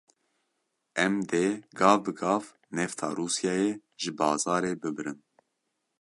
Em dê gav bi gav nefta Rûsyayê ji bazarê bibirin.